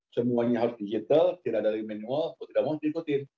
semuanya harus digital tidak dari manual atau tidak mau diikuti